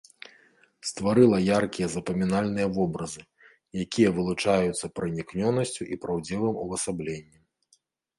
Стварыла яркія запамінальныя вобразы, якія вылучаюцца пранікнёнасцю і праўдзівым увасабленнем.